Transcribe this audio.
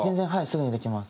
すぐにできます。